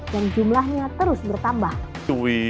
dan jumlahnya terus bertambah